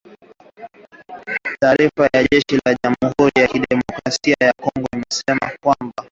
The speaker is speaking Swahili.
Taarifa ya jeshi la jamuhuri ya kidemokrasia ya Kongo imesema kwamba wanajeshi wawili wa Rwanda wamekamatwa katika makabiliano